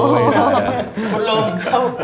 นี่แหละครับ